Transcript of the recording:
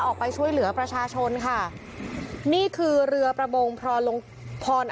ออกไปช่วยเหลือประชาชนค่ะนี่คือเรือประมงพอลงพร